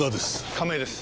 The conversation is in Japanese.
亀井です。